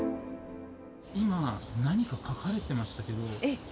今、何か書かれてましたけど。